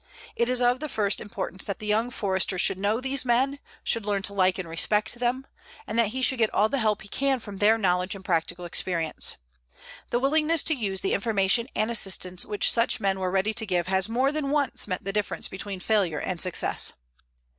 It is of the first importance that the young Forester should know these men, should learn to like and respect them, and that he should get all the help he can from their knowledge and practical experience. The willingness to use the information and assistance which such men were ready to give has more than once meant the difference between failure and success.